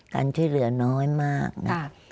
การช่วยเหลือน้อยมากนะ